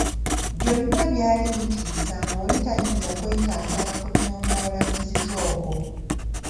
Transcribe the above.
Byonna byali bitiisa ng’oli tayinza kwetantala kunyoomoola muzizo ogwo.